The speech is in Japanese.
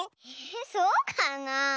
えそうかなあ？